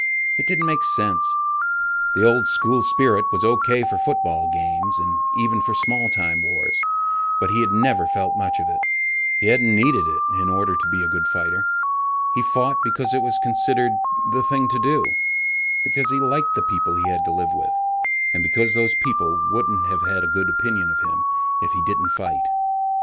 It didn't make sense. The old school spirit was okay for football games, and even for small time wars, but he had never felt much of it. He hadn't needed it in order to be a good fighter. He fought because it was considered the "thing to do," because he liked the people he had to live with, and because those people wouldn't have a good opinion of him if he didn't fight.